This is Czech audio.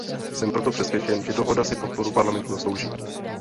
Jsem proto přesvědčen, že dohoda si podporu Parlamentu zaslouží.